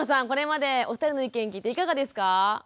これまでお二人の意見聞いていかがですか？